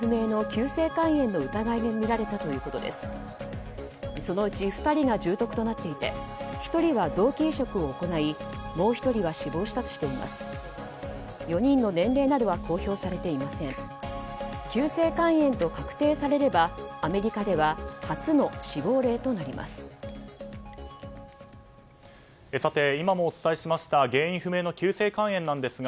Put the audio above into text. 急性肝炎と確定されればアメリカでは初の死亡例となります。